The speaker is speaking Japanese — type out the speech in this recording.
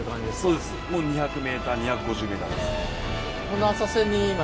そうですもう２００ｍ２５０ｍです。